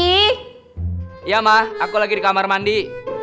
iya mah aku lagi di kamar mandi